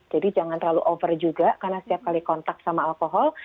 jadi jangan terlalu over juga karena setiap kali kontak sama alkohol